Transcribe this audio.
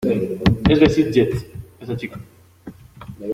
Es de Sitges, esta chica.